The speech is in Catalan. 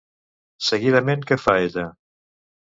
Seguidament, què fa ella?